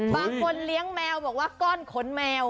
บางคนเลี้ยงแมวบอกว่าก้อนขนแมว